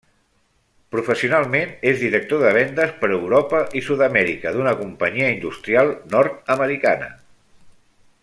Professionalment és director de vendes per Europa i Sud-amèrica d'una companyia industrial nord-americana.